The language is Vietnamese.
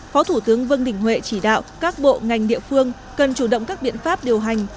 phó thủ tướng vương đình huệ chỉ đạo các bộ ngành địa phương cần chủ động các biện pháp điều hành